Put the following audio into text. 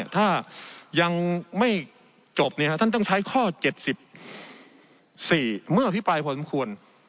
ถ้ายังไม่จบท่านต้องใช้ข้อ๗๔เมื่ออภิปรายพอสมควร